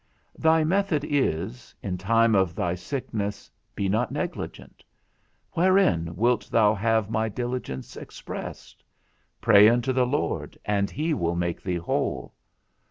Thy method is, In time of thy sickness, be not negligent: wherein wilt thou have my diligence expressed? _Pray unto the Lord, and he will make thee whole.